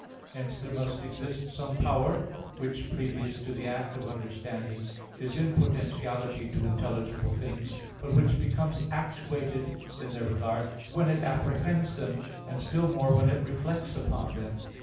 Hence there must exist some power, which, previous to the act of understanding, is in potentiality to intelligible things, but which becomes actuated in their regard when it apprehends them, and still more when it reflects upon them.